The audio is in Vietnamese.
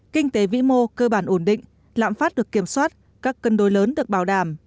kinh tế vĩ mô cơ bản ổn định lạm phát được kiểm soát các cân đối lớn được bảo đảm